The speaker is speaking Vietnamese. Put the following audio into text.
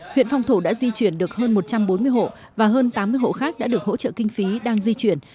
huyện phong thổ đã di chuyển được hơn một trăm bốn mươi hộ và hơn tám mươi hộ khác đã được hỗ trợ kinh phí đang di chuyển